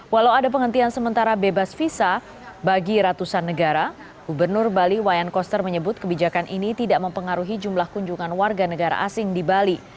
walau ada penghentian sementara bebas visa bagi ratusan negara gubernur bali wayan koster menyebut kebijakan ini tidak mempengaruhi jumlah kunjungan warga negara asing di bali